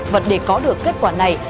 và để có được kết quả này